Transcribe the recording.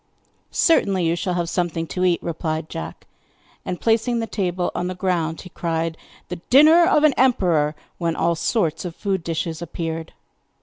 'Certainly, you shall have something to eat,' replied Jack. And, placing the table on the ground he cried: 'The dinner of an emperor!' when all sorts of food dishes appeared.